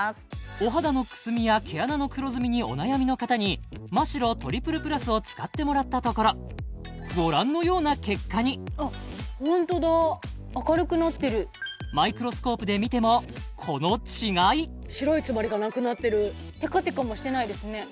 お肌のくすみや毛穴の黒ずみにお悩みの方にマ・シロトリプルプラスを使ってもらったところご覧のような結果にホントだ明るくなってるマイクロスコープで見てもこの違い白い詰まりがなくなってるテカテカもしてないですね